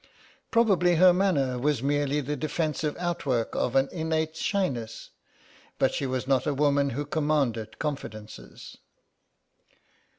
Probably her manner was merely the defensive outwork of an innate shyness, but she was not a woman who commanded confidences.